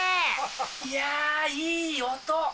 いやー、いい音。